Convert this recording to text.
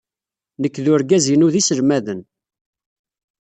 Nekk ed urgaz-inu d iselmaden.